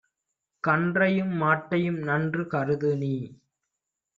கன்றையும் மாட்டையும் நன்று கருதுநீ